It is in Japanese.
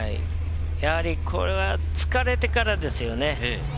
やはりこれは疲れてからですよね。